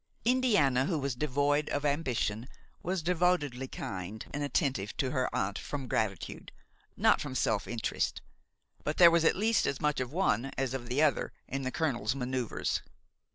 Indiana, who was devoid of ambition, was devotedly kind and attentive to her aunt from gratitude, not from self interest; but there was at least as much of one as of the other in the colonel's manoeuvres.